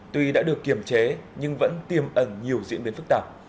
tuy đã được kiềm chế nhưng vẫn tiềm ẩn nhiều diễn biến phức tạp